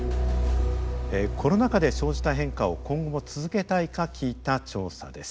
コロナ禍で生じた変化を今後続けたいか聞いた調査です。